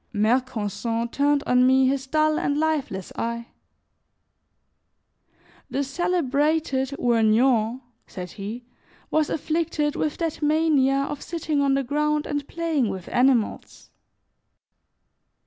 Mercanson turned on me his dull and lifeless eye: "The celebrated Vergniand," said he, "was afflicted with that mania of sitting on the ground and playing with animals."